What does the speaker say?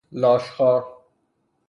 لاش خوار